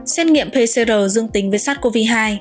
xét nghiệm pcr dương tính với sars cov hai